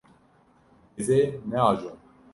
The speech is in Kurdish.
Ez ê neajom.